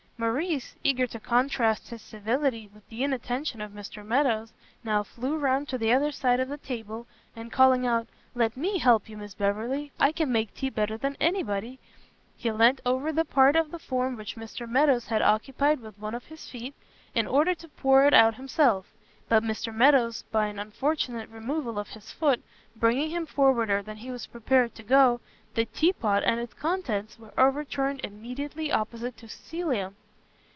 Morrice, eager to contrast his civility with the inattention of Mr Meadows, now flew round to the other side of the table, and calling out "let me help you, Miss Beverley, I can make tea better than anybody," he lent over that part of the form which Mr Meadows had occupied with one of his feet, in order to pour it out himself: but Mr Meadows, by an unfortunate removal of his foot, bringing him forwarder than he was prepared to go, the tea pot and its contents were overturned immediately opposite to Cecilia.